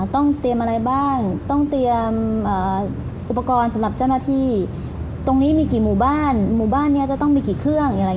ต้องเตรียมอะไรบ้างต้องเตรียมอุปกรณ์สำหรับเจ้าหน้าที่ตรงนี้มีกี่หมู่บ้านหมู่บ้านนี้จะต้องมีกี่เครื่อง